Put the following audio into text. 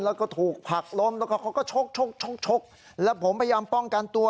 แล้วก็ถูกผักล้มแล้วก็เขาก็ชกชกแล้วผมพยายามป้องกันตัว